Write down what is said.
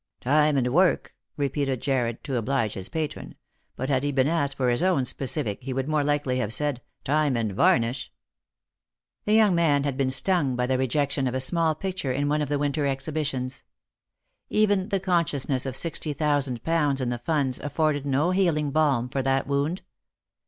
" Time and work," repeated Jarred, to oblige his patron ; but had he been asked for his own specific, he would more likely have said, " Time and varnish." The young man had been stung by the rejection of a small picture in one of the winter exhibitions. Even the conscious ness of sixty thousand pounds in the Funds afforded no healing balm for that wound.